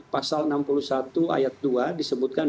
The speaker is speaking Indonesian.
pasal enam puluh satu ayat dua disebutkan